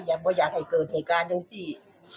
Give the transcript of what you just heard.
อยากให้เกิดเหตุการณ์ดังสิ